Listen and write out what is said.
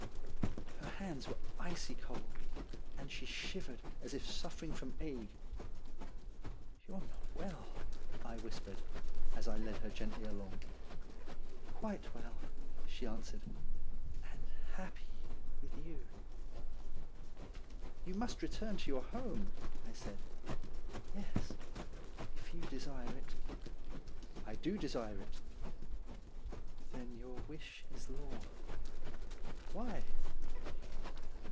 Her hands were icy cold, and she shivered as if suffering from ague. ' You are not well,' I whispered, as I led her gently along. ' Quite well,' she answered, ' and happy with you.' ' You must return to your home,' I said. ' Yes, if you desire it.' ' I do desire it.' ' Then your wish is law.' ' Why